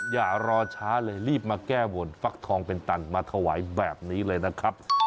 อย่ารอช้าเลยรีบมาแก้บนฟักทองเป็นตันมาถวายแบบนี้เลยนะครับ